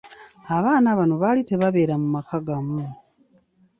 Abaana bano baali tebabeera mu maka gamu.